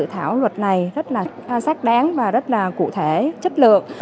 dự thảo luật này rất là xác đáng và rất là cụ thể chất lượng